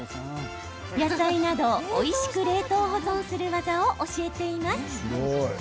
野菜などをおいしく冷凍保存する技を教えています。